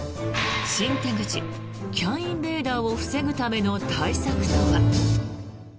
新手口、ＣＡＮインベーダーを防ぐための対策とは。